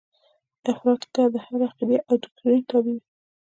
افراد که د هرې عقیدې او دوکتورین تابع وي.